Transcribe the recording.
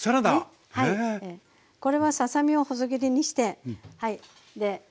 これはささ身を細切りにしてはい。